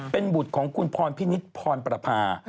เป็นบุตรของคุณพรพินิษฐ์พรประพา